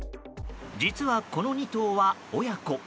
実は、この２頭は親子。